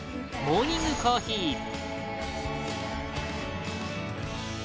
「モーニングコーヒー」